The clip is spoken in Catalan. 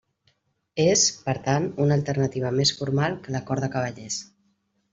És, per tant, una alternativa més formal que l'acord de cavallers.